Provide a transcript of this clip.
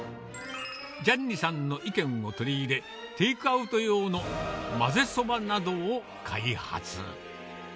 ジャンニさんの意見を取り入れ、テイクアウト用の混ぜそばなどを開発。